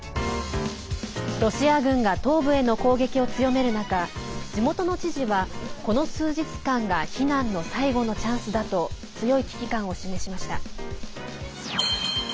ロシア軍が東部への攻撃を強める中地元の知事は、この数日間が避難の最後のチャンスだと強い危機感を示しました。